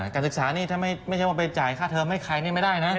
การศึกษานี่ถ้าไม่ใช่ว่าไปจ่ายค่าเทอมให้ใครนี่ไม่ได้นะ